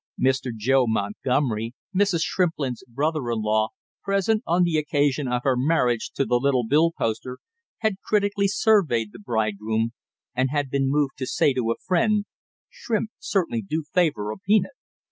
Mr. Joe Montgomery, Mrs. Shrimplin's brother in law, present on the occasion of her marriage to the little bill poster, had critically surveyed the bridegroom and had been moved to say to a friend, "Shrimp certainly do favor a peanut!"